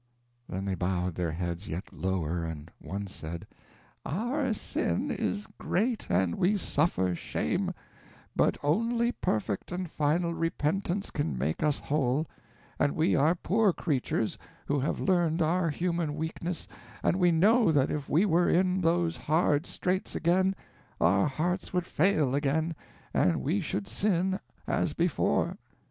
Then they bowed their heads yet lower, and one said: "Our sin is great, and we suffer shame; but only perfect and final repentance can make us whole; and we are poor creatures who have learned our human weakness, and we know that if we were in those hard straits again our hearts would fail again, and we should sin as before.